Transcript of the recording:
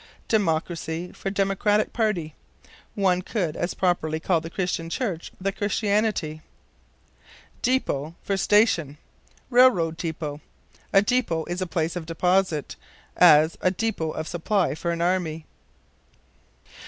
Democracy for Democratic Party. One could as properly call the Christian Church "the Christianity." Dépôt for Station. "Railroad dépôt." A dépôt is a place of deposit; as, a dépôt of supply for an army.